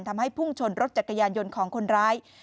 พุ่งชนรถจักรยานยนต์ของคนร้าย